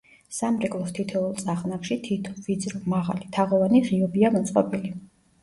სამრეკლოს თითოეულ წახნაგში თითო, ვიწრო, მაღალი, თაღოვანი ღიობია მოწყობილი.